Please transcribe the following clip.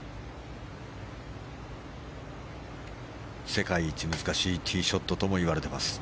世界一難しいティーショットともいわれてます